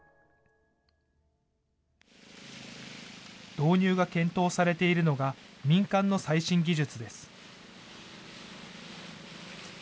導入が検討されているのが、民間の最新技術です。